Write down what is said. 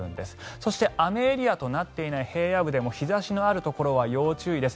そして、雨エリアとなっていない平野部でも日差しのあるところは要注意です。